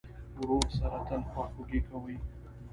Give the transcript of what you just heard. ورور سره تل خواخوږي کوې.